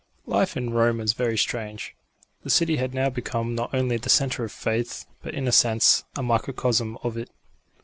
Life in Rome was very strange. The city had now become not only the centre of faith but, in a sense, a microcosm of it.